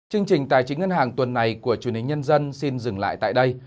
chương trình tài chính ngân hàng tuần này của truyền hình nhân dân xin dừng lại tại đây